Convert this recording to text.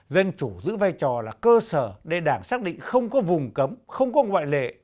dân chủ giữ vai trò là cơ sở để đảng xác định không có vùng cấm không có ngoại lệ